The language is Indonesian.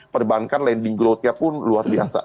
perbankan landing growth nya pun luar biasa